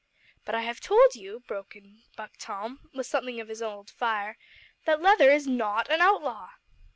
"But I have told you," broke in Buck Tom with something of his old fire, "that Leather is not an outlaw."